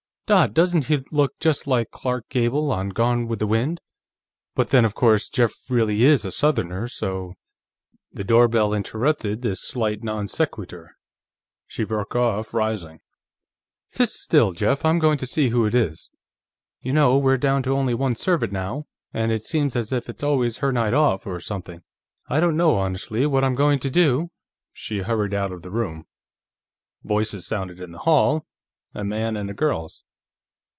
"Dot, doesn't he look just like Clark Gable in Gone with the Wind? But then, of course, Jeff really is a Southerner, so ..." The doorbell interrupted this slight non sequitur. She broke off, rising. "Sit still, Jeff; I'm just going to see who it is. You know, we're down to only one servant now, and it seems as if it's always her night off, or something. I don't know, honestly, what I'm going to do...." She hurried out of the room. Voices sounded in the hall; a man's and a girl's.